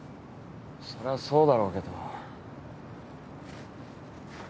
そりゃそうだろうけど。